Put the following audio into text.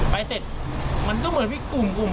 ไปเมื่อมันก็เหมือนเป็นกลุ่มกลุ่ม